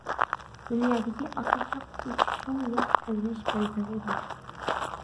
دۇنيادىكى ئاساسلىق ئۈچ چوڭ يەر تەۋرەش بەلبېغى بار.